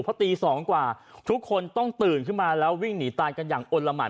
เพราะตี๒กว่าทุกคนต้องตื่นขึ้นมาแล้ววิ่งหนีตายกันอย่างอ้นละหัด